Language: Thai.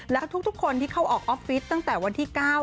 และทุกคนที่เข้าออกออฟฟิศตั้งแต่วันที่๙